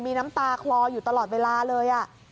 มีน้ำตาคลออยู่ตลอดเวลาเลย